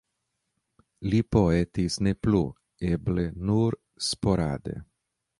Li poetis ne plu, eble nur sporade.